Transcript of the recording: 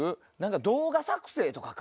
動画作成とかか？